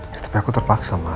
ya tapi aku terpaksa mah